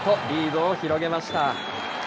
リードを広げました。